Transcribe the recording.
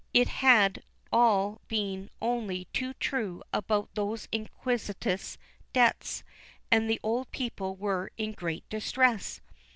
It had all been only too true about those iniquitous debts, and the old people were in great distress.